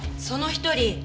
その１人